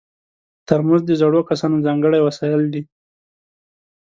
ترموز د زړو کسانو ځانګړی وسایل دي.